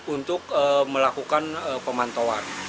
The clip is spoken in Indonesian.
untuk melakukan pemantauan